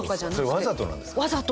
それわざとなんですか？